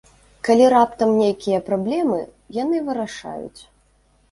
Калі раптам нейкія праблемы, яны вырашаюць.